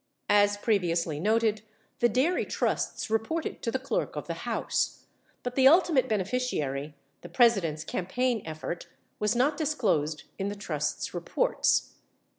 As previously noted, the dairy trusts reported to the Clerk of the House, but the ultimate beneficiary, the President's campaign effort, was not disclosed in the trusts' reports.